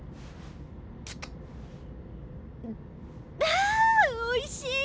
あおいしい！